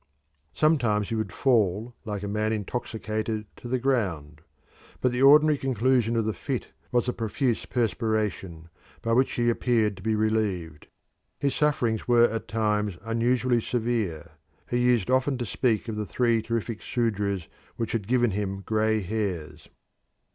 Sometimes he would fall like a man intoxicated to the ground, but the ordinary conclusion of the fit was a profuse perspiration, by which he appeared to be relieved. His sufferings were at times unusually severe he used often to speak of the three terrific sudras which had given him grey hairs.